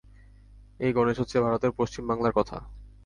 এই গণেশ হচ্ছে ভারতের পশ্চিম বাংলার কথা।